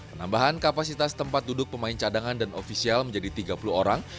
penambahan kapasitas tempat duduk pemain cadangan dan ofisial menjadi tiga puluh orang